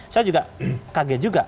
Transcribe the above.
saya juga kaget juga